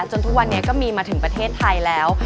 จนทุกวันนี้ก็มีมาถึงประเทศไทยแล้ว